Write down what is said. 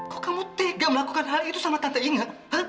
kok kamu tega melakukan hal itu sama tante ingat